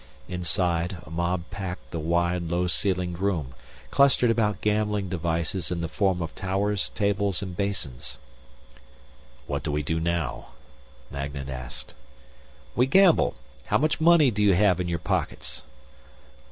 Inside, a mob packed the wide, low ceilinged room, clustered around gambling devices in the form of towers, tables and basins. "What do we do now?" Magnan asked. "We gamble. How much money do you have in your pockets?"